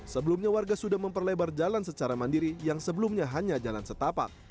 sebelumnya warga sudah memperlebar jalan secara mandiri yang sebelumnya hanya jalan setapat